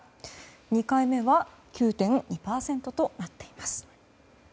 ２回目は９．２％となっています。